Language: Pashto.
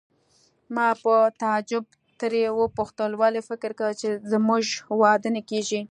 ما په تعجب ترې وپوښتل: ولې فکر کوې چې زموږ واده نه کیږي؟